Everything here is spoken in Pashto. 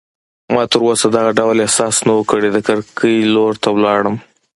ما تراوسه دغه ډول احساس نه و کړی، د کړکۍ لور ته ولاړم.